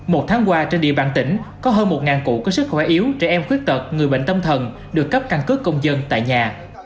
một tháng qua trên địa bàn tỉnh có hơn một cụ có sức khỏe yếu trẻ em khuyết tật người bệnh tâm thần được cấp căn cước công dân tại nhà